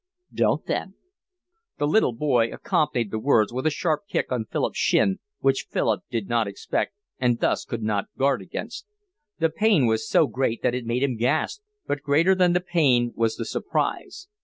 "Don't then." The little boy accompanied the words with a sharp kick on Philip's shin, which Philip did not expect and thus could not guard against. The pain was so great that it made him gasp, but greater than the pain was the surprise.